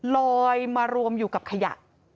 ลอยมารวมอยู่กับขยะ